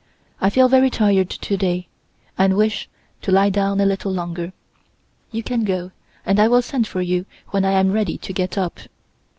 I feel very tired today, and wish to lie down a little longer. You can go, and I will send for you when I am ready to get up."